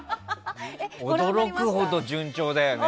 驚くほど順調だよね。